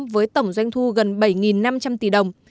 với tổng doanh thu gần bảy năm trăm linh tỷ đồng